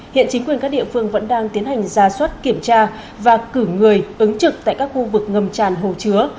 hiện chính quyền các địa phương vẫn đang tiến hành ra suất kiểm tra và cử người ứng trực tại các khu vực ngầm tràn hồ chứa